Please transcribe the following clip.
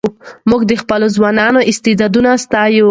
موږ د خپلو ځوانانو استعدادونه ستایو.